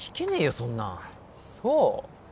そんなんそう？